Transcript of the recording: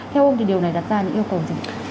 theo ông thì điều này đặt ra những yêu cầu gì